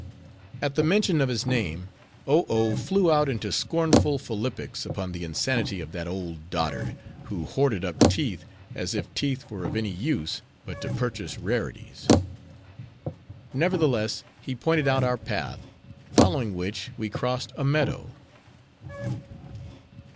At the mention of his name, Oh Oh flew out into scornful philippics upon the insanity of that old dotard, who hoarded up teeth, as if teeth were of any use, but to purchase rarities. Nevertheless, he pointed out our path; following which, we crossed a meadow.